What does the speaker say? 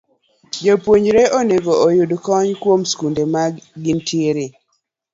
Jopuonjre onego oyud kony kuom skunde ma gintiere